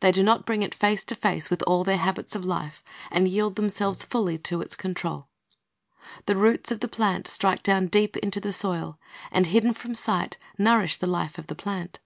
They do not bring it face to face with all their habits of life, and yield themselves fully to its control. The roots of the plant strike down deep into the soil, and hidden from sight nourish the life of the plant.